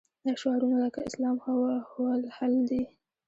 دا شعارونه لکه الاسلام هو الحل دي.